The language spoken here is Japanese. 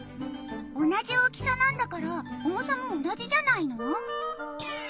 同じ大きさなんだから重さも同じじゃないの？